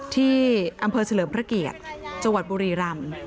ที่อำเภอเฉลิมพระเกียรติจังหวัดบุรีรำ